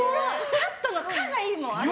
カットのカがいいもん。